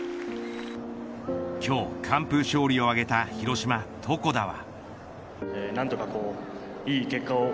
今日、完封勝利を挙げた広島、床田は。